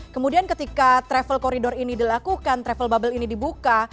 kemudian ketika travel corridor ini dilakukan travel bubble ini dibuka